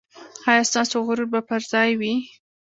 ایا ستاسو غرور به پر ځای وي؟